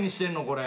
これ。